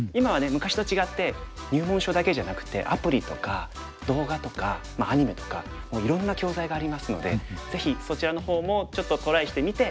昔と違って入門書だけじゃなくてアプリとか動画とかアニメとかもういろんな教材がありますのでぜひそちらの方もちょっとトライしてみて。